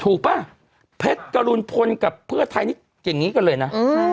ป่ะเพชรกรุณพลกับเพื่อไทยนี่อย่างนี้กันเลยนะ